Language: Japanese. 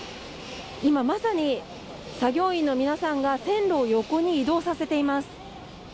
今まさに作業員の皆さんが線路を横に移動させています